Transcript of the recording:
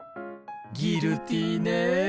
ギルティーねえ。